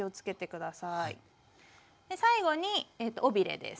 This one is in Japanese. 最後に尾ビレです。